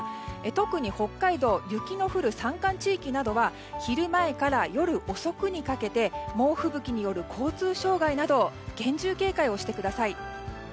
特に北海道、雪の降る山間地域などでは昼前から夜遅くにかけて猛吹雪による交通障害など厳重警戒してください。